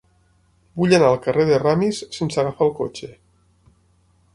Vull anar al carrer de Ramis sense agafar el cotxe.